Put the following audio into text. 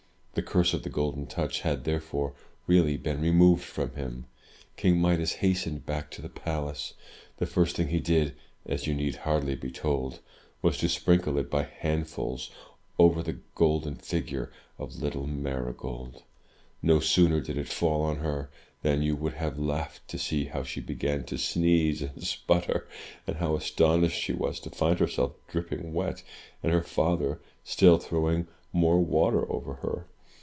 The curse of the Golden Touch had, therefore, really been removed from him. King Midas hastened back to the palace. The first thing he did, as you need hardly be told, was to sprinkle it by handfuls over the golden figure of little Marygold. No sooner did it fall on, her than you would have laughed to see how she began to sneeze and sputter! — and how astonished she was to find herself dripping wet, and her father still throw ing more water over her.